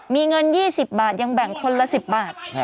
มีเงิน๒๐บาทยังแบ่งคนละ๑๐บาท